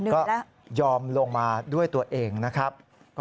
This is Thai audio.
ก็ยอมลงมาด้วยตัวเองนะครับ